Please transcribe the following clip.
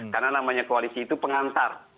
karena namanya koalisi itu pengantar